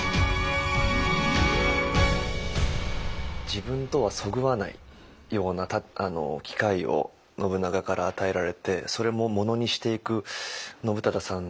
自分とはそぐわないような機会を信長から与えられてそれもものにしていく信忠さん